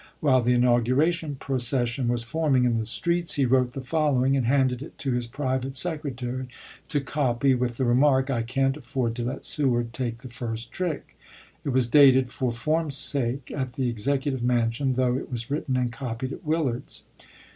While the inauguration procession was forming in the streets, he wrote the following and handed it to his private secretary to copy, with the remark, " I can't afford to let Seward take the first trick." It was dated, for form's sake, at the Executive Mansion, though it was written and copied at Willard's.